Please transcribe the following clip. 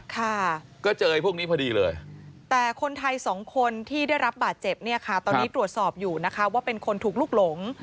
ค่ะก็เจอไอ้พวกนี้พอดีเลยแต่คนไทยสองคนที่ได้รับบาดเจ็บเนี่ยค่ะตอนนี้ตรวจสอบอยู่นะคะว่าเป็นคนถูกลุกหลง